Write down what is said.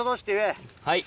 はい。